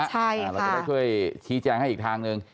เราจะได้ช่วยชี้แจงให้อีกทางหนึ่ง